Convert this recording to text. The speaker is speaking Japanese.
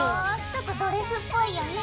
ちょっとドレスっぽいよね。